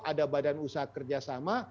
ada badan usaha kerjasama